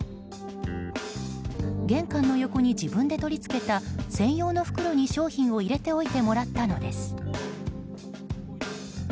玄関の横に自分で取り付けた専用の袋に商品を入れておいてもらったのです。